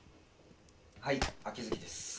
はい秋月です。